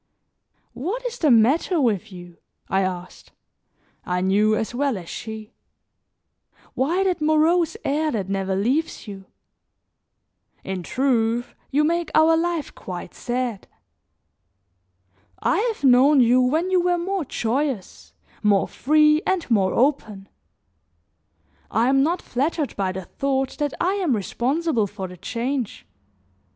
"What is the matter with you?" I asked; I knew as well as she. "Why that morose air that never leaves you? In truth, you make our life quite sad. I have known you when you were more joyous, more free and more open; I am not flattered by the thought that I am responsible for the change.